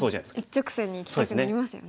一直線にいきたくなりますよね。